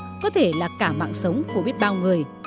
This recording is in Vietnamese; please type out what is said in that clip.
đó có thể là cả mạng sống của biết bao người